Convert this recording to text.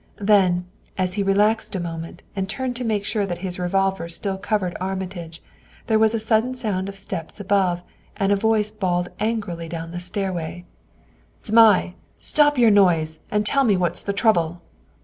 Then, as he relaxed a moment and turned to make sure that his revolver still covered Armitage, there was a sudden sound of steps above and a voice bawled angrily down the stairway: "Zmai, stop your noise and tell me what's the trouble."